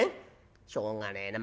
「しょうがねえな。